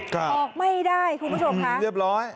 ค่ะออกไม่ได้ถูกประชบคะออกแล้วเรียบร้อย